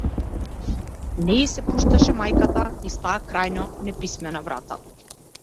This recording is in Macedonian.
Не и се пушташе мајката низ таа крајно неписмена врата.